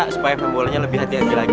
supaya pembolanya lebih hati hati lagi